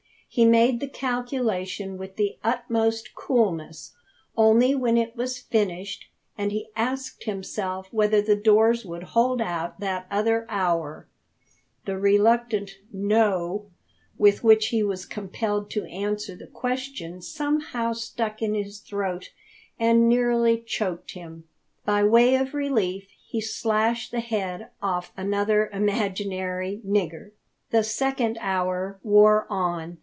He made the calculation with the utmost coolness; only, when it was finished, and he asked himself whether the doors would hold out that other hour, the reluctant "No" with which he was compelled to answer the question somehow stuck in his throat and nearly choked him. By way of relief, he slashed the head off another imaginary nigger. The second hour wore on.